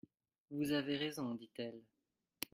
Vous avez raison, dit-elle.